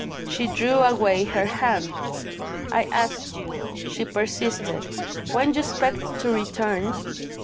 She drew away her hand. "I asked you," she persisted, "when you expect to return?"